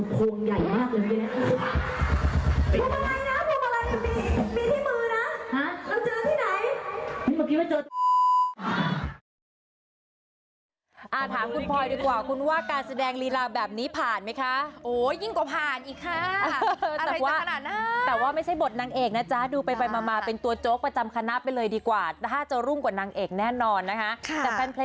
พวกพี่หนูรอดไปใช่ไหมใช่